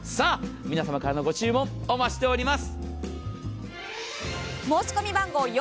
皆様からのご注文、お待ちしております。